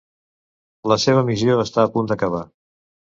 La seva missió està a punt d'acabar.